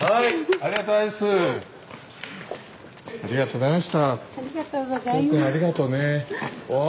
ありがとうございます。